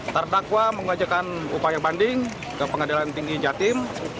terdakwa mengajukan upaya banding ke pengadilan tinggi jatim